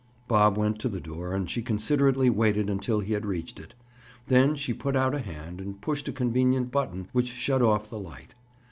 Bob went to the door and she considerately waited until he had reached it; then she put out a hand and pushed a convenient button which shut off the light.